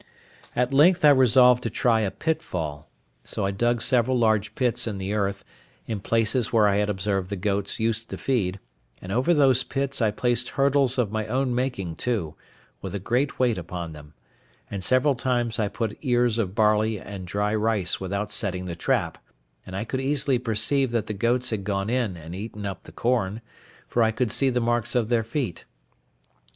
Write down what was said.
At length I resolved to try a pitfall; so I dug several large pits in the earth, in places where I had observed the goats used to feed, and over those pits I placed hurdles of my own making too, with a great weight upon them; and several times I put ears of barley and dry rice without setting the trap; and I could easily perceive that the goats had gone in and eaten up the corn, for I could see the marks of their feet.